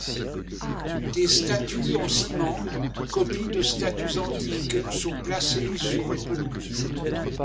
Des statues en ciment, copies de statues antiques, sont placées sur les pelouses.